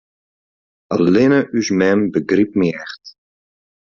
Allinne ús mem begrypt my echt.